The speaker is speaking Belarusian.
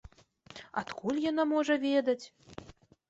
Адкуль яна можа ведаць?